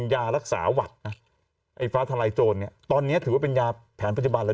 ยารักษาหวัดนะไอ้ฟ้าทลายโจรเนี่ยตอนนี้ถือว่าเป็นยาแผนปัจจุบันแล้ว